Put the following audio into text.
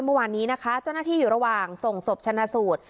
เมื่อวานนี้นะคะเจ้าหน้าที่อยู่ระหว่างส่งศพชนะสูตร